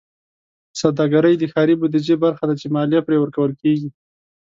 سوداګرۍ د ښاري بودیجې برخه ده چې مالیه پرې ورکول کېږي.